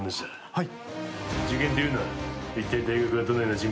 はい。